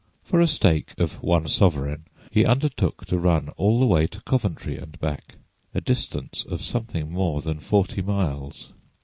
For a stake of one sovereign he undertook to run all the way to Coventry and back, a distance of something more than forty miles.